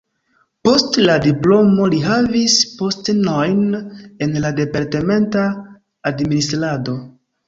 Post la diplomo li havis postenojn en la departementa administrado.